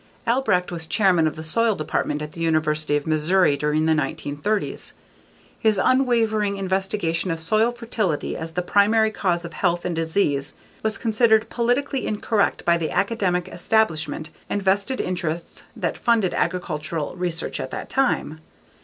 Albrecht was chairman of the Soil Department at the University of Missouri during the 1930s. His unwavering investigation of soil fertility as the primary cause of health and disease was considered politically incorrect by the academic establishment and vested interests that funded agricultural research at that time.